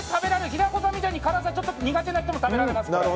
平子さんみたいに辛さが苦手な人もちょっと苦手な人でも食べられます。